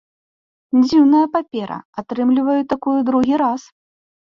Дзіўная папера, атрымліваю такую другі раз.